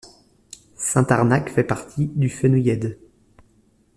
Saint-Arnac fait partie du Fenouillèdes.